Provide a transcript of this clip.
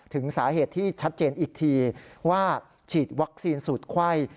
ถึงสาเหตุที่ชัดเจนอีกทีว่าฉีดวัคซีนสูตรไข้